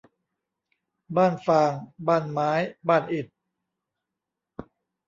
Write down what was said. บ้านฟาง บ้านไม้ บ้านอิฐ